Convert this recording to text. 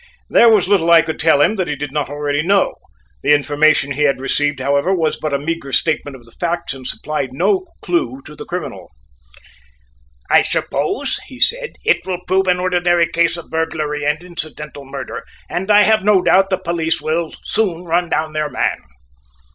There was little I could tell him that he did not already know. The information he had received, however, was but a meagre statement of facts and supplied no clue to the criminal. "I suppose," he said, "it will prove an ordinary case of burglary and incidental murder, and I have no doubt the police will soon run down their man."